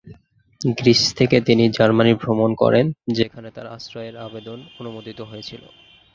Greece থেকে তিনি Germany ভ্রমণ করেন যেখানে তার আশ্রয়ের আবেদন অনুমোদিত হয়েছিল।